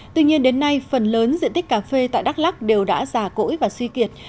tuy nhiên đến nay phần lớn diện tích cà phê tại đắk lắc đều đã già cỗi và suy kiệt